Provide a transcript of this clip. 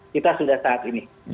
kita sudah saat ini